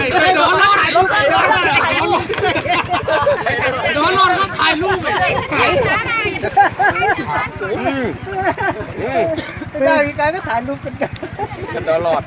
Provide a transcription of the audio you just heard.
เรียนต้องเพิ่มปราหลาดเลยดรรหลอดดรรหลอดก็ถ่ายลูกเถอะ